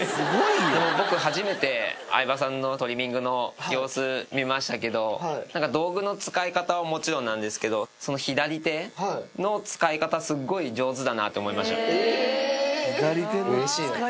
僕、初めて相葉さんのトリミングの様子見ましたけど、なんか道具の使い方はもちろんなんですけど、その左手の使い方、すごい上手だえー、うれしいな。